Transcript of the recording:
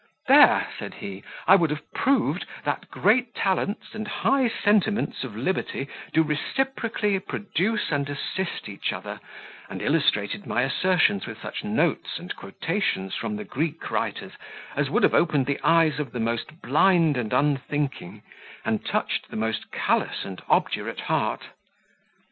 "There," said he, "I would have proved, that great talents, and high sentiments of liberty, do reciprocally produce and assist each other; and illustrated my assertions with such notes and quotations from the Greek writers, as would have opened the eyes of the most blind and unthinking, and touched the most callous and obdurate heart.